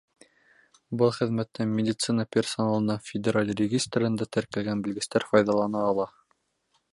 Был хеҙмәттән медицина персоналының федераль регистрында теркәлгән белгестәр файҙалана ала.